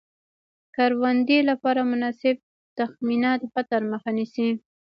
د کروندې لپاره مناسبه تخمینه د خطر مخه نیسي.